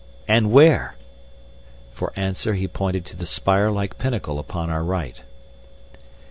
"And where?" For answer he pointed to the spire like pinnacle upon our right.